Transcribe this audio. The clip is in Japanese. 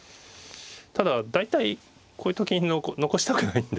ただ大体こういうと金残したくないんで。